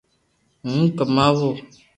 ھون ڪماوُ